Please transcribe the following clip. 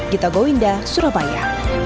kita goinda surabaya